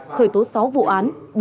khởi tố sáu vụ án